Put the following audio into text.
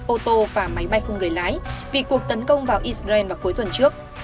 ô tô và máy bay không người lái vì cuộc tấn công vào israel vào cuối tuần trước